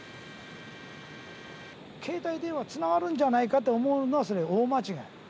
携帯電話つながるんじゃないかと思うのは大間違い。